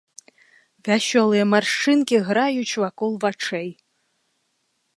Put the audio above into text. Вясёлыя маршчынкі граюць вакол вачэй.